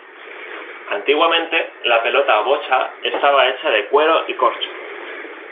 Antiguamente, la pelota o bocha estaba hecha de cuero y corcho.